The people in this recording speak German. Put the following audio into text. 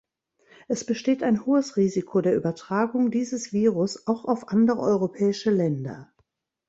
Es besteht ein hohes Risiko der Übertragung dieses Virus auch auf andere europäische Länder.